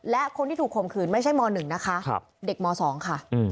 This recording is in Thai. และคนที่ถูกข่มขืนไม่ใช่ม๑นะคะเด็กม๒ค่ะ